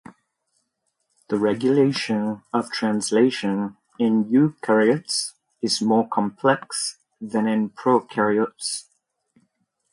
The regulation of translation in eukaryotes is more complex than in prokaryotes.